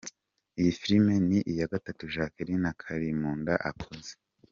Iyi filime ni iya gatatu Jacqueline Kalimunda akoze.